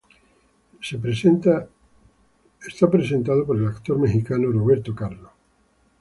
Es presentado por el actor mexicano Roberto Carlo.